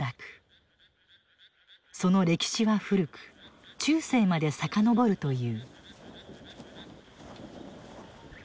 その歴史は古く中世まで遡るという。